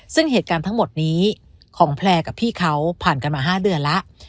ซึ่งเหตุการณ์ทั้งหมดนี้ของแพลร์กับพี่เขาผ่านกันมา๕เดือนแล้ว